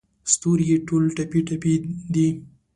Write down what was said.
ستوري ټول ټپې، ټپي دی